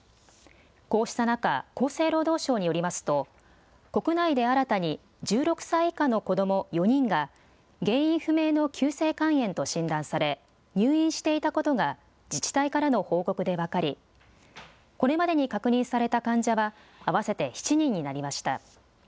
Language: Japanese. こうした中、厚生労働省によりますと国内で新たに１６歳以下の子ども４人が原因不明の急性肝炎と診断され入院していたことが自治体からの報告で分かりこれまでに確認された患者は合わせて７人になりました。